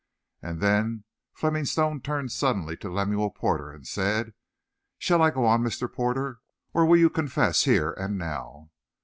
And then Fleming Stone turned suddenly to Lemuel Porter, and said: "Shall I go on, Mr. Porter, or will you confess here and now?"